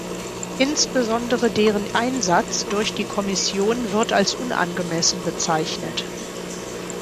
Insbesondere deren Einsatz durch die Kommission wird als unangemessen bezeichnet.